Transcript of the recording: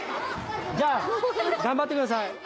じゃあ頑張ってください。